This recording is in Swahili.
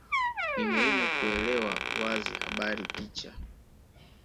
Ni muhimu kuelewa wazi habari picha